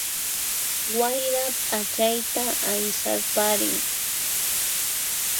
Wayra ph'achayta aysarparin